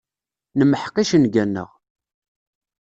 Nemḥeq icenga-nneɣ.